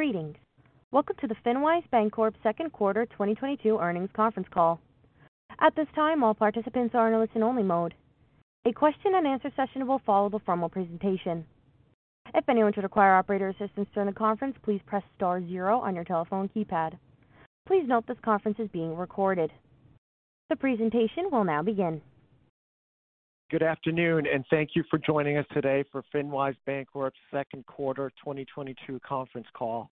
Greetings. Welcome to the FinWise Bancorp second quarter 2022 earnings conference call. At this time, all participants are in a listen-only mode. A question-and-answer session will follow the formal presentation. If anyone should require operator assistance during the conference, please press star zero on your telephone keypad. Please note this conference is being recorded. The presentation will now begin. Good afternoon, and thank you for joining us today for FinWise Bancorp's second quarter 2022 conference call.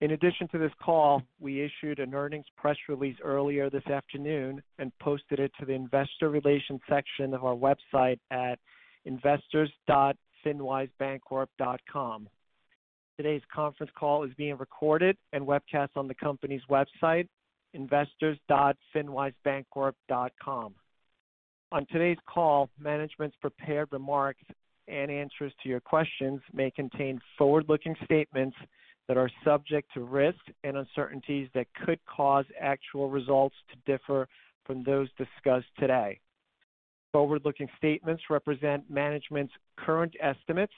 In addition to this call, we issued an earnings press release earlier this afternoon and posted it to the investor relations section of our website at investors.finwisebancorp.com. Today's conference call is being recorded and webcast on the company's website, investors.finwisebancorp.com. On today's call, management's prepared remarks and answers to your questions may contain forward-looking statements that are subject to risks and uncertainties that could cause actual results to differ from those discussed today. Forward-looking statements represent management's current estimates,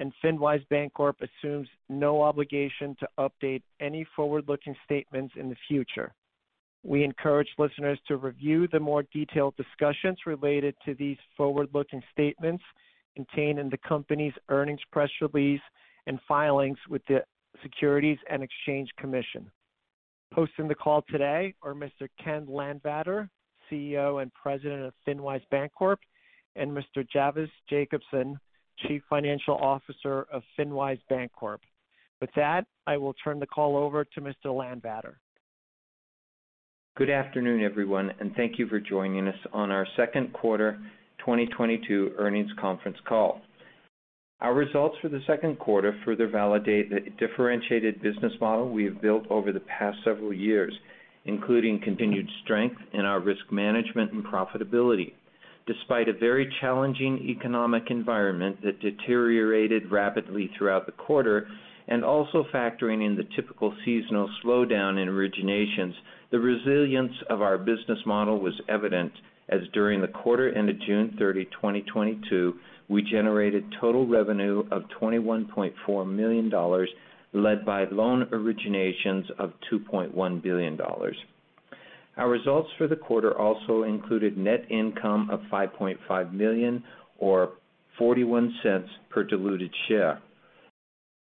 and FinWise Bancorp assumes no obligation to update any forward-looking statements in the future. We encourage listeners to review the more detailed discussions related to these forward-looking statements contained in the company's earnings press release and filings with the Securities and Exchange Commission. Hosting the call today are Mr. Kent Landvatter, CEO and President of FinWise Bancorp, and Mr. Javvis Jacobson, Chief Financial Officer of FinWise Bancorp. With that, I will turn the call over to Mr. Landvatter. Good afternoon, everyone, and thank you for joining us on our second quarter 2022 earnings conference call. Our results for the second quarter further validate the differentiated business model we have built over the past several years, including continued strength in our risk management and profitability. Despite a very challenging economic environment that deteriorated rapidly throughout the quarter, and also factoring in the typical seasonal slowdown in originations, the resilience of our business model was evident as during the quarter ended June 30, 2022, we generated total revenue of $21.4 million led by loan originations of $2.1 billion. Our results for the quarter also included net income of $5.5 million or $0.41 per diluted share.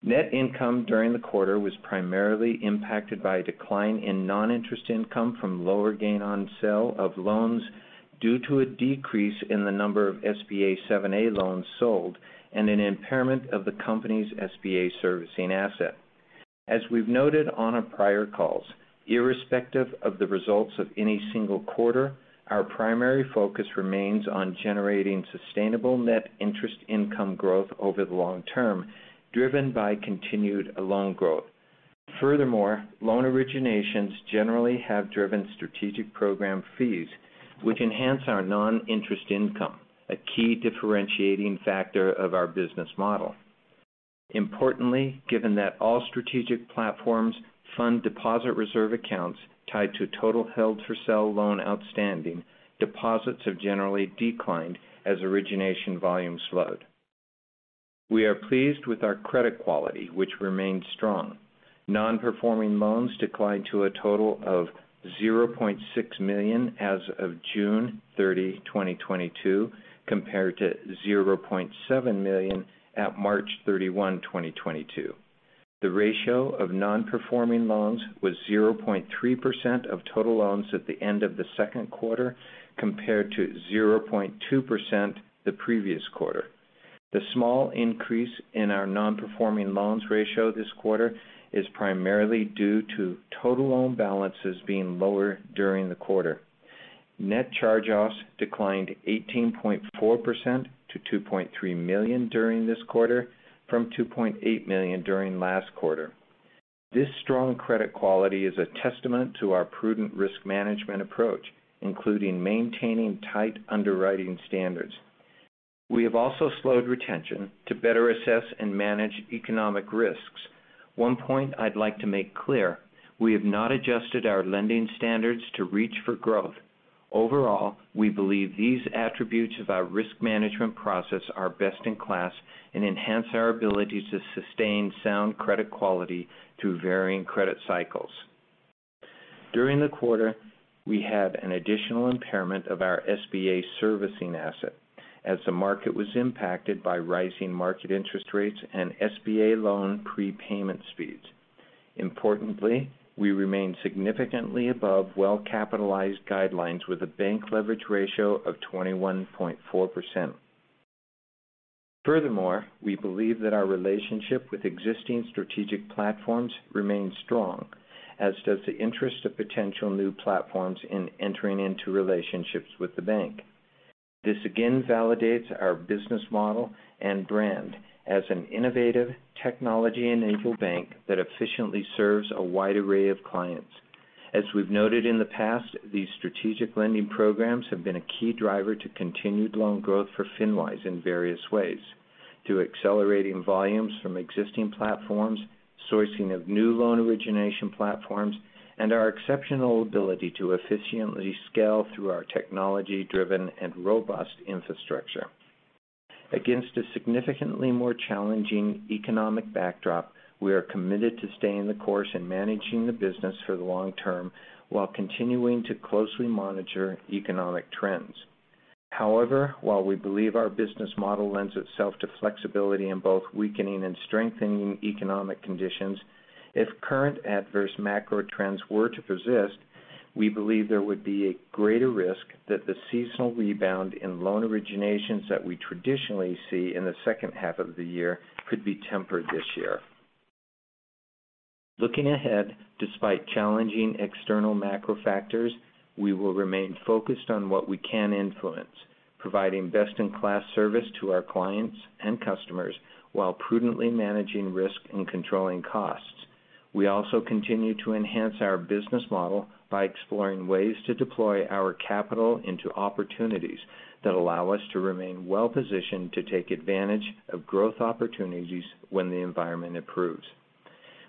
Net income during the quarter was primarily impacted by a decline in non-interest income from lower gain on sale of loans due to a decrease in the number of SBA 7(a) loans sold and an impairment of the company's SBA servicing asset. As we've noted on our prior calls, irrespective of the results of any single quarter, our primary focus remains on generating sustainable net interest income growth over the long term, driven by continued loan growth. Furthermore, loan originations generally have driven strategic program fees, which enhance our non-interest income, a key differentiating factor of our business model. Importantly, given that all strategic platforms fund deposit reserve accounts tied to total held-for-sale loan outstanding, deposits have generally declined as origination volumes slowed. We are pleased with our credit quality, which remained strong. Non-performing loans declined to a total of $0.6 million as of June 30, 2022 compared to $0.7 million at March 31, 2022. The ratio of non-performing loans was 0.3% of total loans at the end of the second quarter compared to 0.2% the previous quarter. The small increase in our non-performing loans ratio this quarter is primarily due to total loan balances being lower during the quarter. Net charge-offs declined 18.4% to $2.3 million during this quarter from $2.8 million during last quarter. This strong credit quality is a testament to our prudent risk management approach, including maintaining tight underwriting standards. We have also slowed retention to better assess and manage economic risks. One point I'd like to make clear, we have not adjusted our lending standards to reach for growth. Overall, we believe these attributes of our risk management process are best in class and enhance our ability to sustain sound credit quality through varying credit cycles. During the quarter, we had an additional impairment of our SBA servicing asset as the market was impacted by rising market interest rates and SBA loan prepayment speeds. Importantly, we remain significantly above well-capitalized guidelines with a bank leverage ratio of 21.4%. Furthermore, we believe that our relationship with existing strategic platforms remains strong, as does the interest of potential new platforms in entering into relationships with the bank. This again validates our business model and brand as an innovative technology-enabled bank that efficiently serves a wide array of clients. As we've noted in the past, these strategic lending programs have been a key driver to continued loan growth for FinWise in various ways through accelerating volumes from existing platforms, sourcing of new loan origination platforms, and our exceptional ability to efficiently scale through our technology-driven and robust infrastructure. Against a significantly more challenging economic backdrop, we are committed to staying the course in managing the business for the long term while continuing to closely monitor economic trends. However, while we believe our business model lends itself to flexibility in both weakening and strengthening economic conditions, if current adverse macro trends were to persist, we believe there would be a greater risk that the seasonal rebound in loan originations that we traditionally see in the second half of the year could be tempered this year. Looking ahead, despite challenging external macro factors, we will remain focused on what we can influence, providing best-in-class service to our clients and customers while prudently managing risk and controlling costs. We also continue to enhance our business model by exploring ways to deploy our capital into opportunities that allow us to remain well-positioned to take advantage of growth opportunities when the environment improves.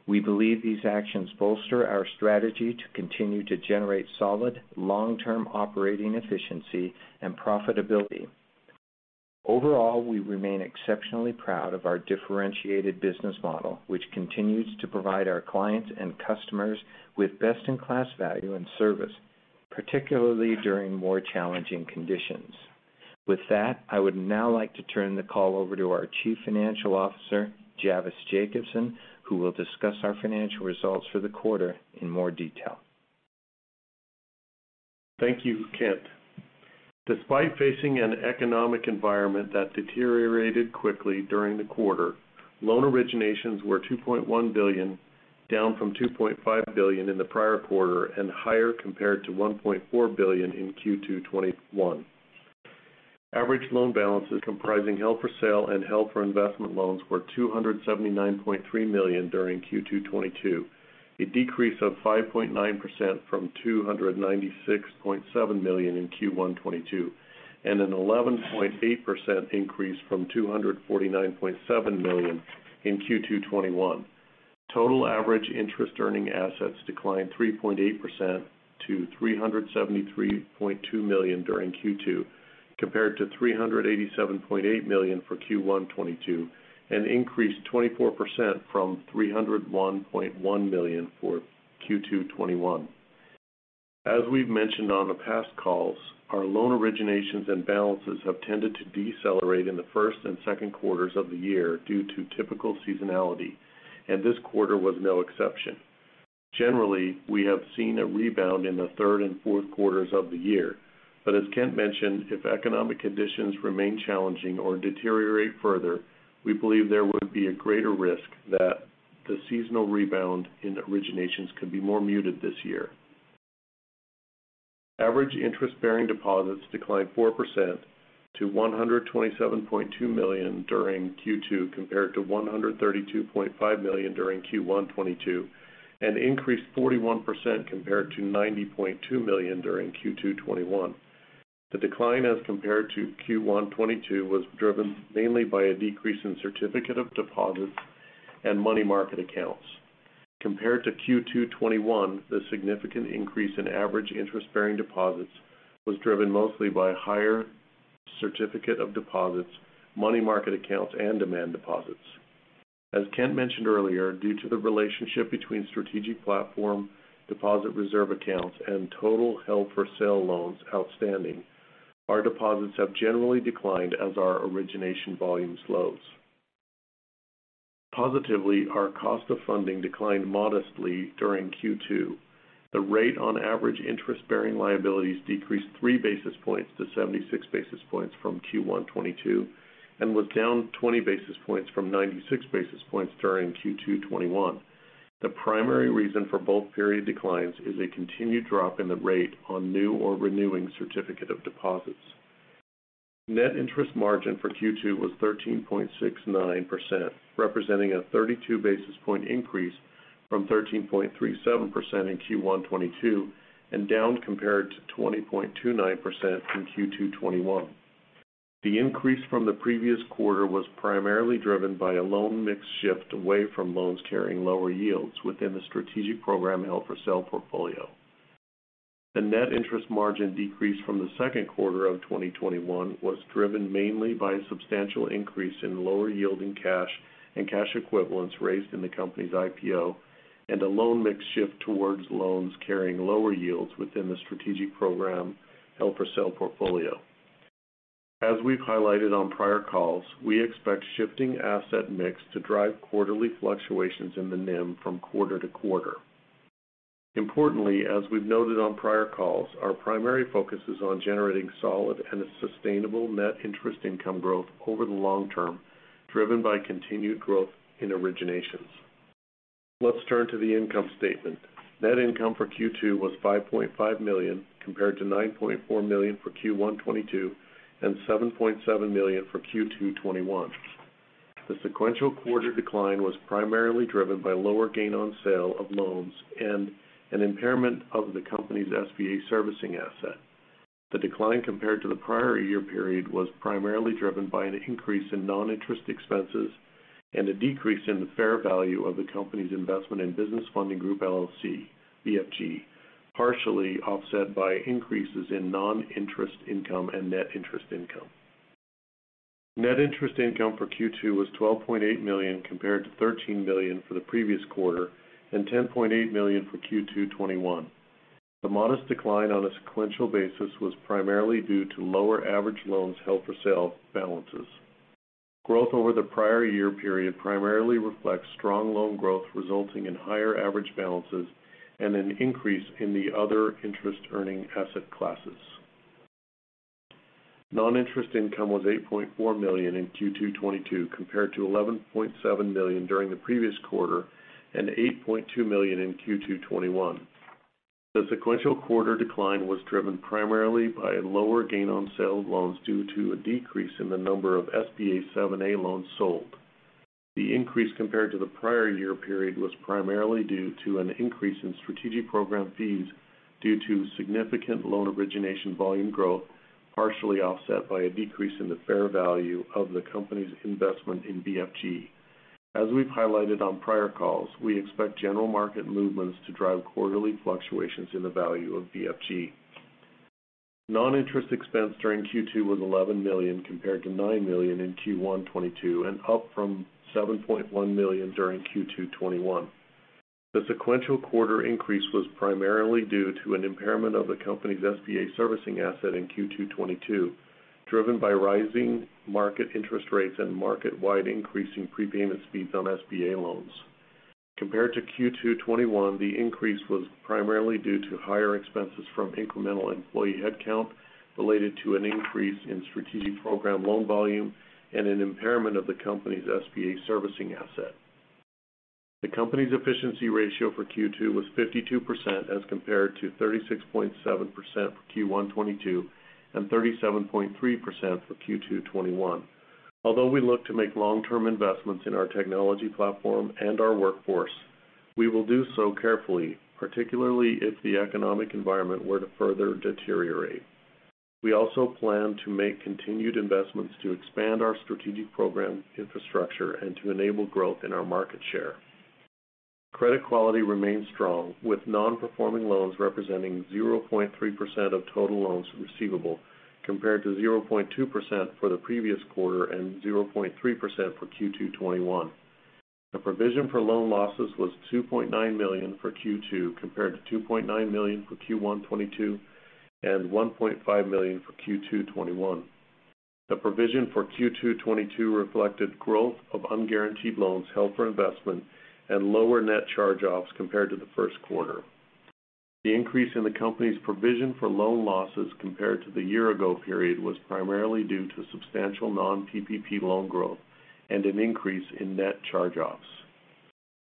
We believe these actions bolster our strategy to continue to generate solid long-term operating efficiency and profitability. Overall, we remain exceptionally proud of our differentiated business model, which continues to provide our clients and customers with best-in-class value and service, particularly during more challenging conditions. With that, I would now like to turn the call over to our Chief Financial Officer, Javvis Jacobson, who will discuss our financial results for the quarter in more detail. Thank you, Kent. Despite facing an economic environment that deteriorated quickly during the quarter, loan originations were $2.1 billion, down from $2.5 billion in the prior quarter and higher compared to $1.4 billion in Q2 2021. Average loan balances comprising held for sale and held for investment loans were $279.3 million during Q2 2022, a decrease of 5.9% from $296.7 million in Q1 2022, and an 11.8% increase from $249.7 million in Q2 2021. Total average interest earning assets declined 3.8% to $373.2 million during Q2, compared to $387.8 million for Q1 2022, and increased 24% from $301.1 million for Q2 2021. As we've mentioned on the past calls, our loan originations and balances have tended to decelerate in the first and second quarters of the year due to typical seasonality, and this quarter was no exception. Generally, we have seen a rebound in the third and fourth quarters of the year. As Kent mentioned, if economic conditions remain challenging or deteriorate further, we believe there would be a greater risk that the seasonal rebound in originations could be more muted this year. Average interest-bearing deposits declined 4% to $127.2 million during Q2, compared to $132.5 million during Q1 2022, and increased 41% compared to $90.2 million during Q2 2021. The decline as compared to Q1 2022 was driven mainly by a decrease in certificates of deposit and money market accounts. Compared to Q2 2021, the significant increase in average interest-bearing deposits was driven mostly by higher certificates of deposit, money market accounts, and demand deposits. As Kent mentioned earlier, due to the relationship between strategic platform deposit reserve accounts and total held for sale loans outstanding, our deposits have generally declined as our origination volumes slows. Positively, our cost of funding declined modestly during Q2. The rate on average interest-bearing liabilities decreased 3 basis points to 76 basis points from Q1 2022 and was down 20 basis points from 96 basis points during Q2 2021. The primary reason for both period declines is a continued drop in the rate on new or renewing certificates of deposit. Net interest margin for Q2 was 13.69%, representing a 32 basis points increase from 13.37% in Q1 2022 and down compared to 20.29% in Q2 2021. The increase from the previous quarter was primarily driven by a loan mix shift away from loans carrying lower yields within the Strategic Program held-for-sale portfolio. The net interest margin decrease from the second quarter of 2021 was driven mainly by a substantial increase in lower yielding cash and cash equivalents raised in the company's IPO and a loan mix shift towards loans carrying lower yields within the Strategic Program held-for-sale portfolio. We've highlighted on prior calls, we expect shifting asset mix to drive quarterly fluctuations in the NIM from quarter to quarter. Importantly, as we've noted on prior calls, our primary focus is on generating solid and a sustainable net interest income growth over the long term, driven by continued growth in originations. Let's turn to the income statement. Net income for Q2 was $5.5 million, compared to $9.4 million for Q1 2022 and $7.7 million for Q2 2021. The sequential quarter decline was primarily driven by lower gain on sale of loans and an impairment of the company's SBA servicing asset. The decline compared to the prior year period was primarily driven by an increase in non-interest expenses. A decrease in the fair value of the company's investment in Business Funding Group, LLC, BFG, partially offset by increases in non-interest income and net interest income. Net interest income for Q2 was $12.8 million compared to $13 million for the previous quarter and $10.8 million for Q2 2021. The modest decline on a sequential basis was primarily due to lower average loans held for sale balances. Growth over the prior year period primarily reflects strong loan growth resulting in higher average balances and an increase in the other interest earning asset classes. Non-interest income was $8.4 million in Q2 2022 compared to $11.7 million during the previous quarter and $8.2 million in Q2 2021. The sequential quarter decline was driven primarily by a lower gain on sale of loans due to a decrease in the number of SBA 7(a) loans sold. The increase compared to the prior year period was primarily due to an increase in strategic program fees due to significant loan origination volume growth, partially offset by a decrease in the fair value of the company's investment in BFG. As we've highlighted on prior calls, we expect general market movements to drive quarterly fluctuations in the value of BFG. Non-interest expense during Q2 was $11 million compared to $9 million in Q1 2022, and up from $7.1 million during Q2 2021. The sequential quarter increase was primarily due to an impairment of the company's SBA servicing asset in Q2 2022, driven by rising market interest rates and market-wide increase in prepayment speeds on SBA loans. Compared to Q2 2021, the increase was primarily due to higher expenses from incremental employee headcount related to an increase in strategic program loan volume and an impairment of the company's SBA servicing asset. The company's efficiency ratio for Q2 was 52% as compared to 36.7% for Q1 2022 and 37.3% for Q2 2021. Although we look to make long-term investments in our technology platform and our workforce, we will do so carefully, particularly if the economic environment were to further deteriorate. We also plan to make continued investments to expand our strategic program infrastructure and to enable growth in our market share. Credit quality remains strong, with non-performing loans representing 0.3% of total loans receivable, compared to 0.2% for the previous quarter and 0.3% for Q2 2021. The provision for loan losses was $2.9 million for Q2 compared to $2.9 million for Q1 2022 and $1.5 million for Q2 2021. The provision for Q2 2022 reflected growth of unguaranteed loans held for investment and lower net charge-offs compared to the first quarter. The increase in the company's provision for loan losses compared to the year ago period was primarily due to substantial non-PPP loan growth and an increase in net charge-offs.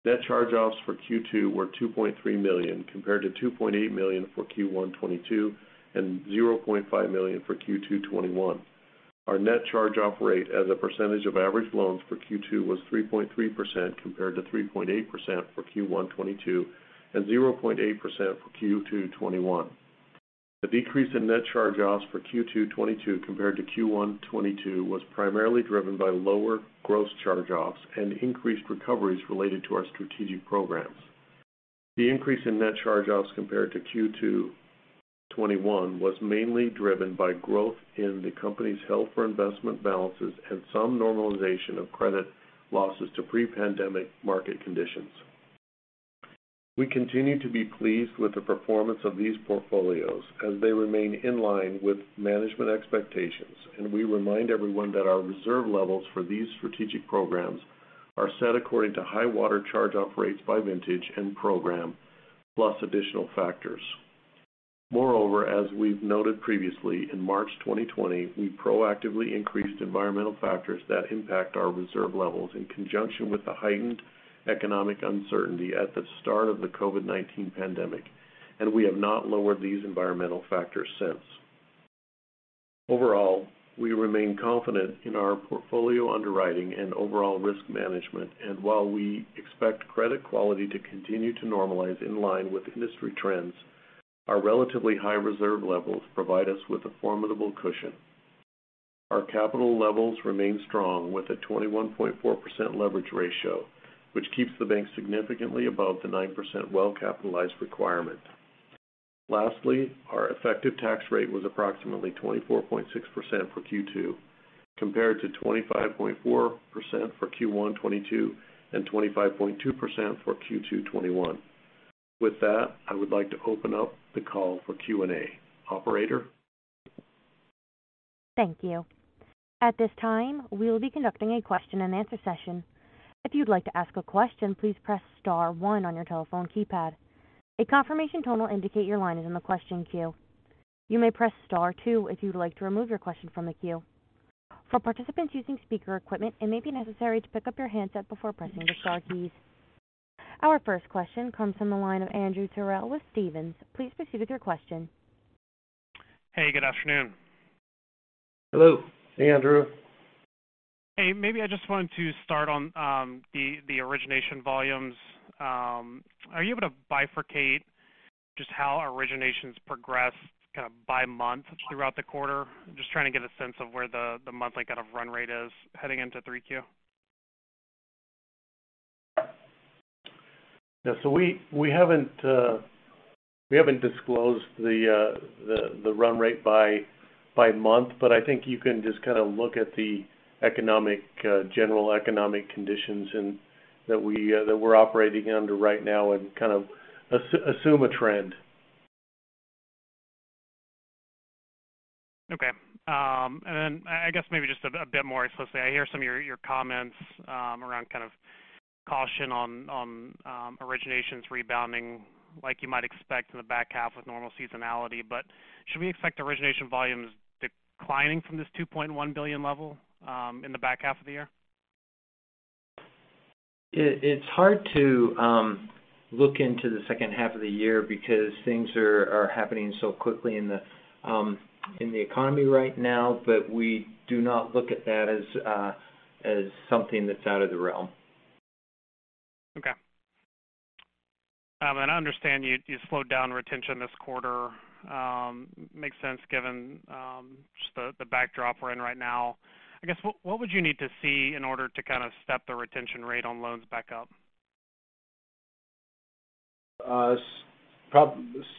Net charge-offs for Q2 were $2.3 million, compared to $2.8 million for Q1 2022 and $0.5 million for Q2 2021. Our net charge-off rate as a percentage of average loans for Q2 was 3.3% compared to 3.8% for Q1 2022 and 0.8% for Q2 2021. The decrease in net charge-offs for Q2 2022 compared to Q1 2022 was primarily driven by lower gross charge-offs and increased recoveries related to our strategic programs. The increase in net charge-offs compared to Q2 2021 was mainly driven by growth in the company's held for investment balances and some normalization of credit losses to pre-pandemic market conditions. We continue to be pleased with the performance of these portfolios as they remain in line with management expectations, and we remind everyone that our reserve levels for these strategic programs are set according to high water charge-off rates by vintage and program, plus additional factors. Moreover, as we've noted previously, in March 2020, we proactively increased environmental factors that impact our reserve levels in conjunction with the heightened economic uncertainty at the start of the COVID-19 pandemic, and we have not lowered these environmental factors since. Overall, we remain confident in our portfolio underwriting and overall risk management. While we expect credit quality to continue to normalize in line with industry trends, our relatively high reserve levels provide us with a formidable cushion. Our capital levels remain strong with a 21.4% leverage ratio, which keeps the bank significantly above the 9% well-capitalized requirement. Lastly, our effective tax rate was approximately 24.6% for Q2 compared to 25.4% for Q1 2022 and 25.2% for Q2 2021. With that, I would like to open up the call for Q&A. Operator? Thank you. At this time, we will be conducting a question-and-answer session. If you'd like to ask a question, please press star one on your telephone keypad. A confirmation tone will indicate your line is in the question queue. You may press star two if you'd like to remove your question from the queue. For participants using speaker equipment, it may be necessary to pick up your handset before pressing the star keys. Our first question comes from the line of Andrew Terrell with Stephens. Please proceed with your question. Hello. Hey, Andrew. Hey, maybe I just wanted to start on the origination volumes. Are you able to bifurcate just how originations progressed kind of by month throughout the quarter. Just trying to get a sense of where the monthly kind of run rate is heading into 3Q. Yeah. We haven't disclosed the run rate by month. I think you can just kind of look at the general economic conditions and that we're operating under right now and kind of assume a trend. Okay. I guess maybe just a bit more specifically. I hear some of your comments around kind of caution on originations rebounding like you might expect in the back half with normal seasonality. Should we expect origination volumes declining from this $2.1 billion level in the back half of the year? It's hard to look into the second half of the year because things are happening so quickly in the economy right now. We do not look at that as something that's out of the realm. Okay. I understand you slowed down retention this quarter. Makes sense given just the backdrop we're in right now. I guess what would you need to see in order to kind of step the retention rate on loans back up?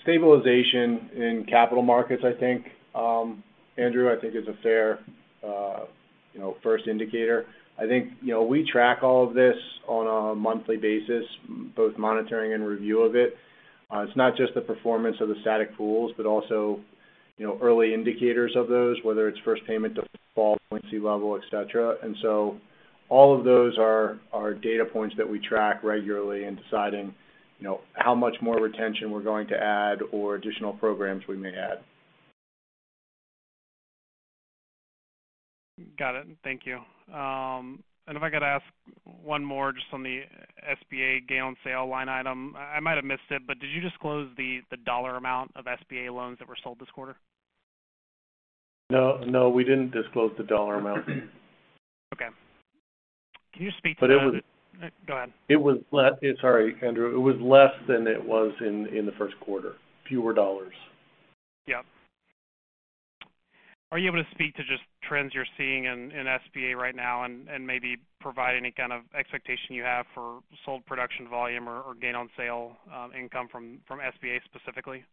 Stabilization in capital markets, I think, Andrew, I think is a fair, you know, first indicator. I think, you know, we track all of this on a monthly basis, both monitoring and review of it. It's not just the performance of the static pools, but also, you know, early indicators of those, whether it's first payment default, delinquency level, et cetera. All of those are data points that we track regularly in deciding, you know, how much more retention we're going to add or additional programs we may add. Got it. Thank you. If I could ask one more just on the SBA gain on sale line item. I might have missed it, but did you disclose the dollar amount of SBA loans that were sold this quarter? No, no, we didn't disclose the dollar amount. Okay. Can you speak to the- It was. Go ahead. Sorry, Andrew. It was less than it was in the first quarter. Fewer dollars. Yeah. Are you able to speak to just trends you're seeing in SBA right now and maybe provide any kind of expectation you have for sold production volume or gain on sale income from SBA specifically?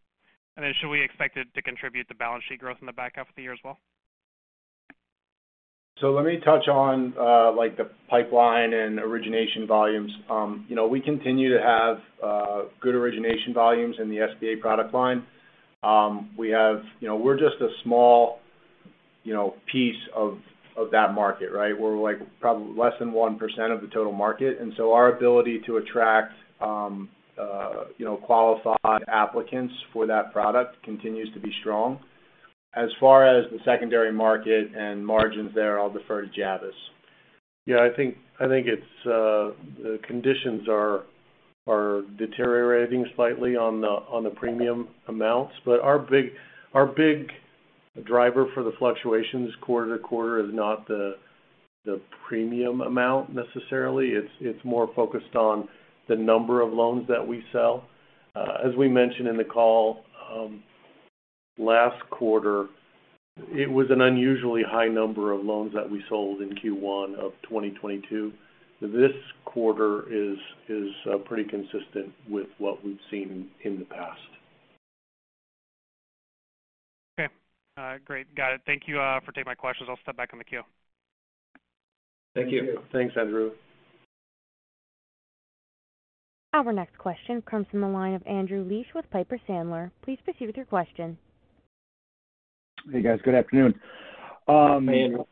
Then should we expect it to contribute to balance sheet growth in the back half of the year as well? Let me touch on like the pipeline and origination volumes. You know, we continue to have good origination volumes in the SBA product line. You know, we're just a small, you know, piece of that market, right? We're like less than 1% of the total market. Our ability to attract, you know, qualified applicants for that product continues to be strong. As far as the secondary market and margins there, I'll defer to Javvis. Yeah. I think it's the conditions are deteriorating slightly on the premium amounts. Our big driver for the fluctuations quarter to quarter is not the premium amount necessarily. It's more focused on the number of loans that we sell. As we mentioned in the call, last quarter, it was an unusually high number of loans that we sold in Q1 of 2022. This quarter is pretty consistent with what we've seen in the past. Okay. Great. Got it. Thank you for taking my questions. I'll step back in the queue. Thank you. Thanks, Andrew. Our next question comes from the line of Andrew Liesch with Piper Sandler. Please proceed with your question. Hey, guys. Good afternoon. Afternoon.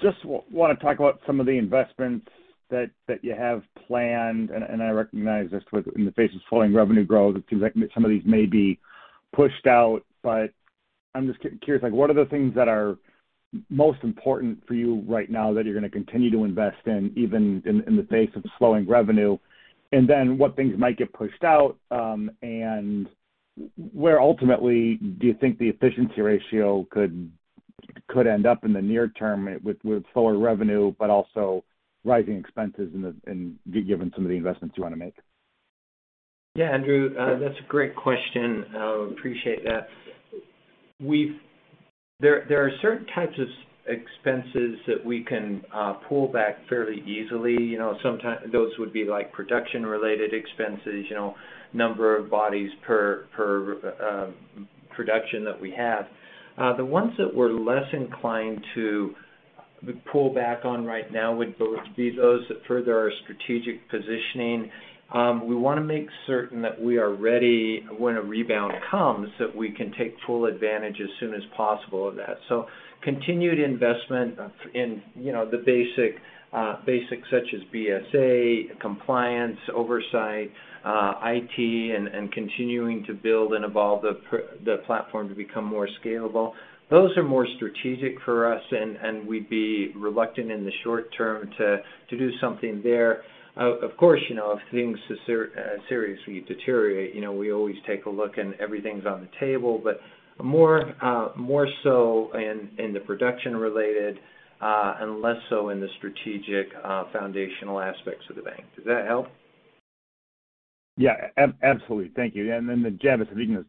Just wanna talk about some of the investments that you have planned. I recognize this in the face of slowing revenue growth, it seems like some of these may be pushed out. I'm just curious, like, what are the things that are most important for you right now that you're gonna continue to invest in, even in the face of slowing revenue? Then what things might get pushed out, and where ultimately do you think the efficiency ratio could end up in the near term with slower revenue, but also rising expenses given some of the investments you want to make? Yeah, Andrew, that's a great question. I appreciate that. There are certain types of expenses that we can pull back fairly easily. You know, those would be like production-related expenses, you know, number of bodies per production that we have. The ones that we're less inclined to pull back on right now would be those that further our strategic positioning. We wanna make certain that we are ready when a rebound comes, that we can take full advantage as soon as possible of that. Continued investment in you know, the basic basics such as BSA, compliance, oversight, IT, and continuing to build and evolve the platform to become more scalable. Those are more strategic for us, and we'd be reluctant in the short term to do something there. Of course, you know, if things seriously deteriorate, you know, we always take a look and everything's on the table. More so in the production related, and less so in the strategic foundational aspects of the bank. Does that help? Yeah. Absolutely. Thank you. To Javvis, if you can just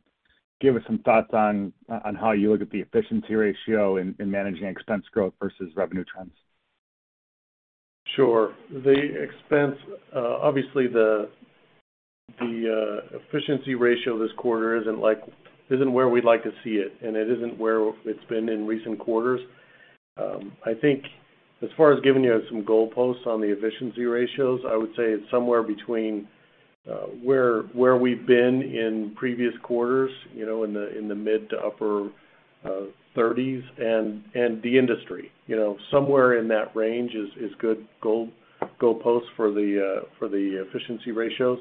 give us some thoughts on how you look at the efficiency ratio in managing expense growth versus revenue trends. Sure. The expense obviously the efficiency ratio this quarter isn't where we'd like to see it, and it isn't where it's been in recent quarters. I think as far as giving you some goalposts on the efficiency ratios, I would say it's somewhere between where we've been in previous quarters, you know, in the mid- to upper 30s and the industry. You know, somewhere in that range is good goalposts for the efficiency ratios.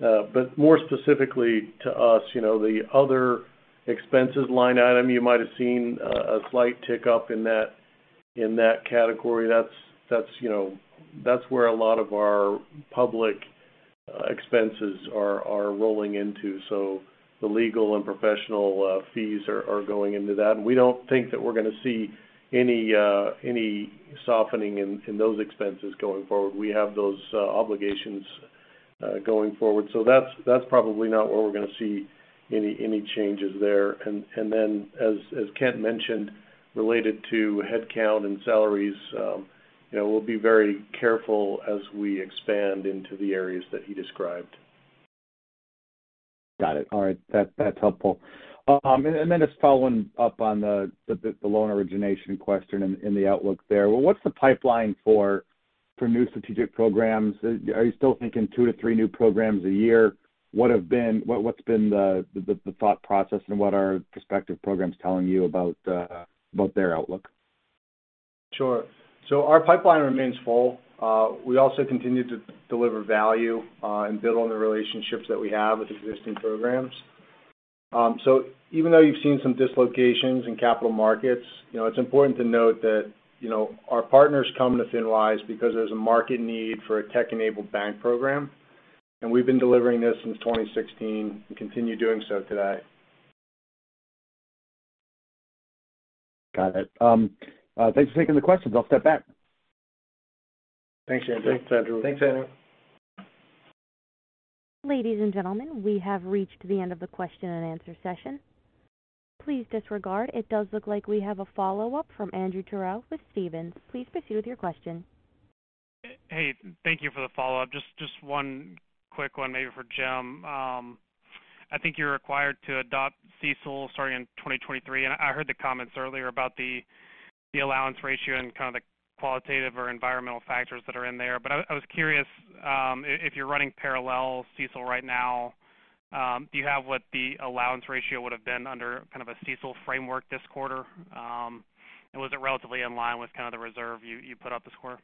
But more specifically to us, you know, the other expenses line item, you might have seen a slight tick up in that category. That's you know, that's where a lot of our public expenses are rolling into. The legal and professional fees are going into that. We don't think that we're gonna see any softening in those expenses going forward. We have those obligations going forward. That's probably not where we're gonna see any changes there. Then as Kent mentioned, related to headcount and salaries, you know, we'll be very careful as we expand into the areas that he described. Got it. All right. That's helpful. Just following up on the loan origination question in the outlook there. What's the pipeline for new strategic programs? Are you still thinking two to three new programs a year? What's been the thought process and what are prospective programs telling you about their outlook? Our pipeline remains full. We also continue to deliver value, and build on the relationships that we have with existing programs. Even though you've seen some dislocations in capital markets, you know, it's important to note that, you know, our partners come to FinWise because there's a market need for a tech-enabled bank program. We've been delivering this since 2016 and continue doing so today. Got it. Thanks for taking the questions. I'll step back. Thanks, Andrew. Thanks, Andrew. Thanks, Andrew. Ladies and gentlemen, we have reached the end of the question-and-answer session. Please disregard. It does look like we have a follow-up from Andrew Terrell with Stephens. Please proceed with your question. Hey, thank you for the follow-up. Just one quick one maybe for James. I think you're required to adopt CECL starting in 2023. I heard the comments earlier about the allowance ratio and kind of the qualitative or environmental factors that are in there. I was curious if you're running parallel CECL right now. Do you have what the allowance ratio would have been under kind of a CECL framework this quarter? And was it relatively in line with kind of the reserve you put up this quarter?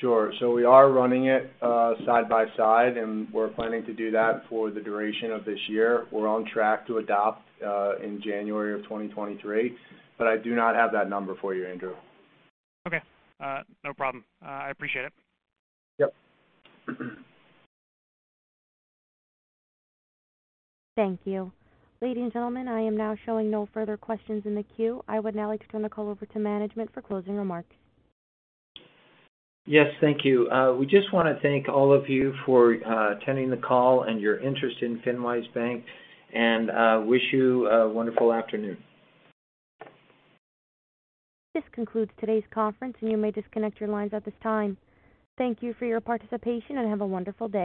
Sure. We are running it side by side, and we're planning to do that for the duration of this year. We're on track to adopt in January of 2023. I do not have that number for you, Andrew. Okay, no problem. I appreciate it. Yep. Thank you. Ladies and gentlemen, I am now showing no further questions in the queue. I would now like to turn the call over to management for closing remarks. Yes, thank you. We just wanna thank all of you for attending the call and your interest in FinWise Bank, and wish you a wonderful afternoon. This concludes today's conference, and you may disconnect your lines at this time. Thank you for your participation, and have a wonderful day.